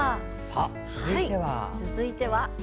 続いては。